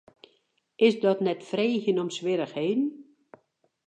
Is dat net freegjen om swierrichheden?